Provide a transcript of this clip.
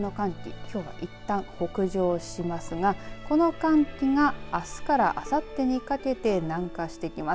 きょうはいったん北上しますがこの寒気があすからあさってにかけて南下してきます。